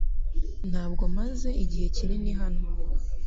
Ntabwo maze igihe kinini hano